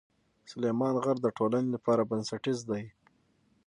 سلیمان غر د ټولنې لپاره بنسټیز دی.